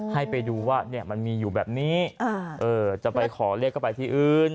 ให้ไปดูว่ามันมีอยู่แบบนี้จะไปขอเลขก็ไปที่อื่น